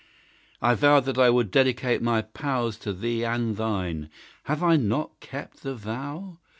I vowed that I would dedicate my powers To thee and thine have I not kept the vow?